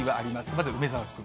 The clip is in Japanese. まず梅澤君。